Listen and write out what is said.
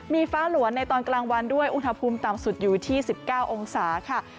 มีฟ้าหลวนในตอนกลางวันด้วยอุณหภูมิต่ำสุดอยู่ที่๑๙องศาค่ะ